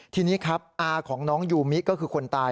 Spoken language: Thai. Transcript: ทีนี้ครับอาของน้องยูมิก็คือคนตาย